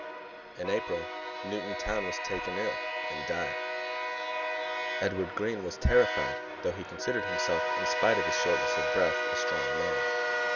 In April Newton Towne was taken ill and died. Edward Green was terrified, though he considered himself, in spite of his shortness of breath, a strong man.